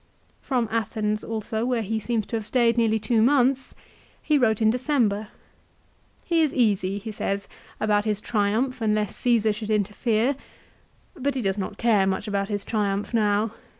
From Athens also, where he seems to have stayed nearly two months, he wrote in December. He is easy, he says, about his Triumph unless Csesar should interfere, but he does not care much about his Triumph now.